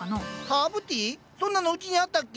そんなのうちにあったっけ？